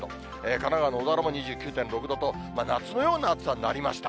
神奈川の小田原も２９．６度と、夏のような暑さになりました。